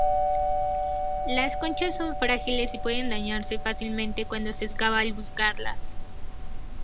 Las conchas son frágiles y pueden dañarse fácilmente cuando se excava al buscarlas.